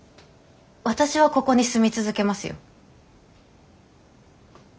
私はここに住み続けますよ。